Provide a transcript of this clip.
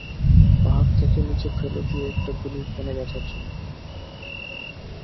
পাহাড় থেকে নীচে ফেলে দিয়ে একটা গুলি কেন বাঁচাচ্ছ না?